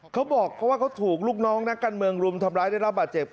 เขาบอกเขาว่าเขาถูกลูกน้องนักการเมืองรุมทำร้ายได้รับบาดเจ็บ